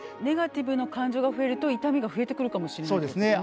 ネガティブの感情が増えると痛みが増えてくるかもしれない。